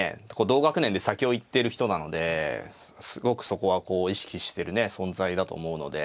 同学年で先を行っている人なのですごくそこはこう意識してるね存在だと思うので。